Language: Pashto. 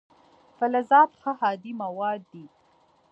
فلزات ښه هادي مواد دي.